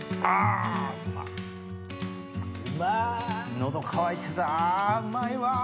喉渇いてたうまいわ。